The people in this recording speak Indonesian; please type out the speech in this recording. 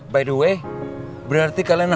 by the way berarti kalian harus ngisi di sana ya